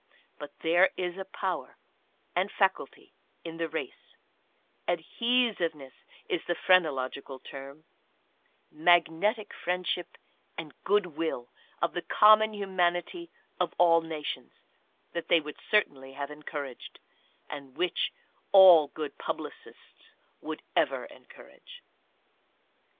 But there is a power and faculty in the race — adhesiveness is the phrenological term — magnetic friendship and good will of the common humanity of all nations — that they would certainly have encouraged, and which all good publicists would ever encourage.